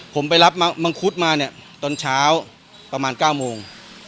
ผมไปรับมังคุดมาเนี่ยตอนเช้าประมาณ๙โมง